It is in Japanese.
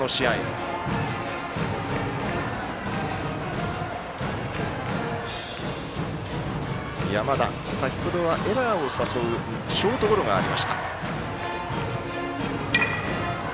打席の山田、先程はエラーを誘うショートゴロがありました。